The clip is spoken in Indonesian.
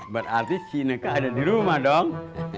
berarti sineka ada di rumah dong